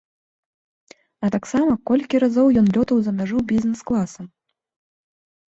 А таксама колькі разоў ён лётаў за мяжу бізнэс-класам.